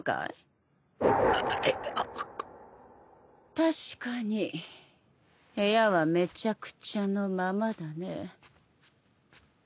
確かに部屋はめちゃくちゃのままだね。